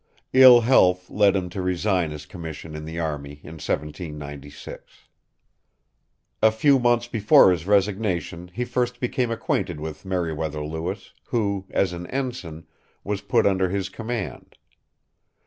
Ill health led him to resign his commission in the army in 1796. A few months before his resignation he first became acquainted with Meriwether Lewis, who, as an ensign, was put under his command.